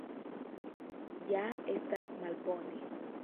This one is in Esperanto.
Ja estas malbone!